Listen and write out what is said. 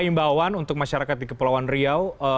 imbauan untuk masyarakat di kepulauan riau